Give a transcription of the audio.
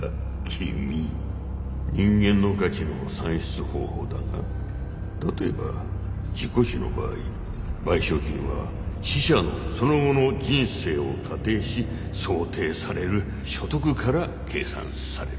君人間の価値の算出方法だが例えば事故死の場合賠償金は死者のその後の人生を仮定し想定される所得から計算される。